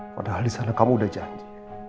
padahal di sana kamu udah janji